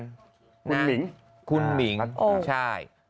คุณหมิงค่ะตั้งแต่คุณหมิงใช่